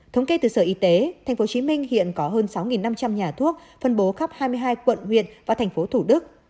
thống kê từ sở y tế tp hcm hiện có hơn sáu năm trăm linh nhà thuốc phân bố khắp hai mươi hai quận huyện và thành phố thủ đức